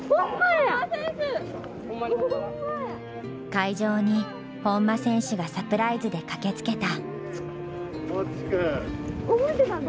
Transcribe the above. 会場に本間選手がサプライズで駆けつけた。